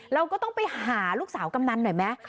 เราก็ต้องไปหาลูกสาวกำนันหน่อยไหม